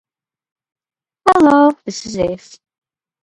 Today the Polo Grounds Towers stand where the stadium once was.